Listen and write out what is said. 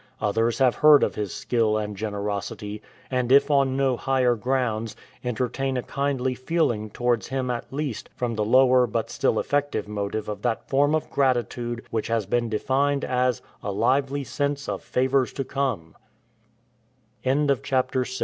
Others have heard of his skill and generosity, and if on no higher grounds, entertain a kindly feeling towards him at least from the lower but still effective motive of that form of gratitude which has been defined as " a lively sen